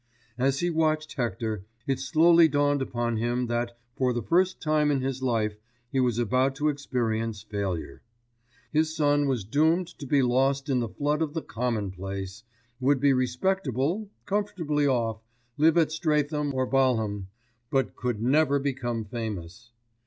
As he watched Hector, it slowly dawned upon him that for the first time in his life he was about to experience failure. His son was doomed to be lost in the flood of the commonplace, would be respectable, comfortably off, live at Streatham or Balham; but could never become famous.